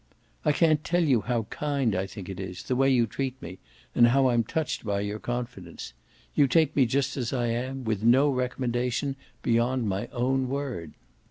"I can't tell you how kind I think it the way you treat me, and how I'm touched by your confidence. You take me just as I am, with no recommendation beyond my own word."